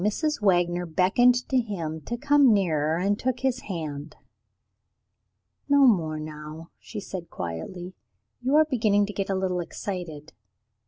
Mrs. Wagner beckoned to him to come nearer, and took him by the hand. "No more now," she said quietly; "you are beginning to get a little excited."